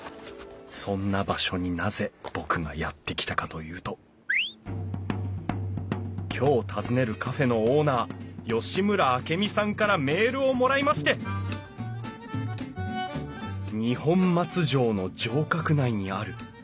そんな場所になぜ僕がやって来たかというと今日訪ねるカフェのオーナー吉村明美さんからメールをもらいまして！とのこと「西に疲れた母あれば行ってその稲の束を負い」